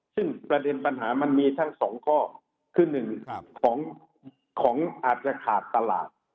ซึ่งประเด็นปัญหามันมีทั้งสองข้อคือหนึ่งของอาจจะขาดตลาด